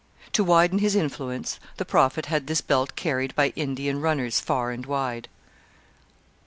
To widen his influence the Prophet had this belt carried by Indian runners far and wide.